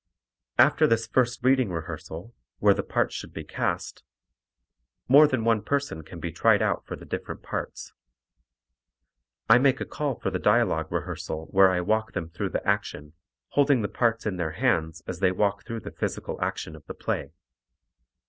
After this first reading rehearsal, where the parts should be cast, more than one person can be tried out for the different parts. I make a call for the dialogue rehearsal where I walk them through the action, holding the parts in their hands as they walk through the physical action of the play.